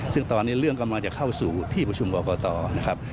ซึ่งตอนนี้เรื่องกำลังจะเข้าสู่ที่ประชุมกรกตนะครับ